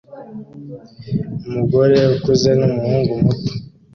Umugore ukuze n'umuhungu muto